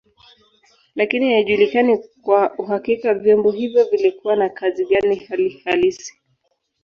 Lakini haijulikani kwa uhakika vyombo hivyo vilikuwa na kazi gani hali halisi.